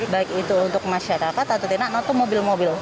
baik itu untuk masyarakat atau tidak atau mobil mobil